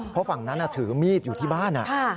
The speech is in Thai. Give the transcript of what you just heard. เพราะฝั่งนั้นถือมีดอยู่ที่บ้าน